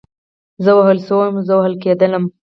زه ووهل شوم, زه وهل کېدلم